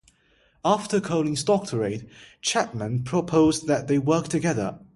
After Cowling's doctorate, Chapman proposed that they work together.